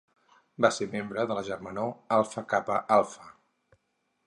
Va ser membre de la germanor Alfa Kappa Alfa.